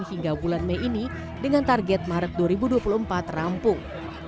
hingga bulan mei ini dengan target maret dua ribu dua puluh empat rampung